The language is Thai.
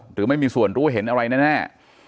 หรือไม่มีส่วนรู้เห็นอะไรแน่